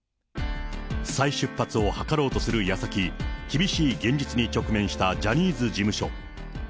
再出発を図ろうとするやさき、厳しい現実に直面したジャニーズ事務所。